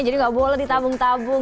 jadi nggak boleh ditabung tabung